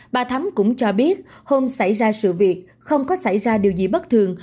bà thắm cũng cho biết hôm xảy ra sự việc không có xảy ra điều gì bất thường